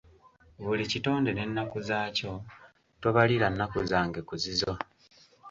Buli kitonde n’ennaku zaakyo, tobalira nnaku zange ku zizo.